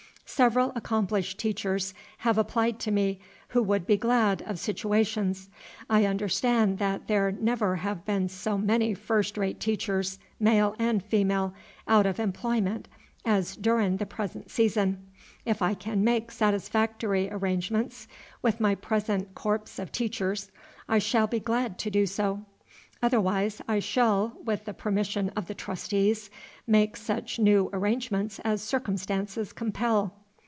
"Several accomplished teachers have applied to me, who would be glad of sitooations. I understand that there never have been so many fust rate teachers, male and female, out of employment as doorin' the present season. If I can make sahtisfahctory arrangements with my present corpse of teachers, I shall be glad to do so; otherwise I shell, with the permission of the Trustees, make sech noo arrangements as circumstahnces compel."